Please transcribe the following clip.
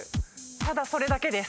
ただそれだけです。